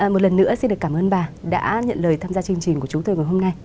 một lần nữa xin được cảm ơn bà đã nhận lời tham gia chương trình của chúng tôi ngày hôm nay